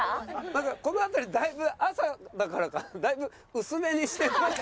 なんかこの辺りだいぶ朝だからかだいぶ薄めにしてます？